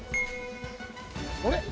あれ？